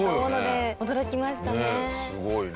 すごいね！